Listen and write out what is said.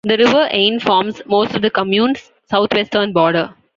The river Ain forms most of the commune's southwestern border.